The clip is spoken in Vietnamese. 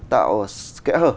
tạo kẽ hở